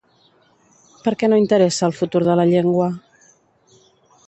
Per què no interessa el futur de la llengua?